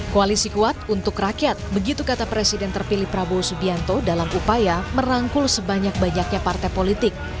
koalisi kuat untuk rakyat begitu kata presiden terpilih prabowo subianto dalam upaya merangkul sebanyak banyaknya partai politik